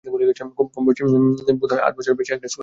খুব কম বয়সী, বোধহয় আট বছর বয়সের একটা স্কুলের ছাত্রকে জানি আমি।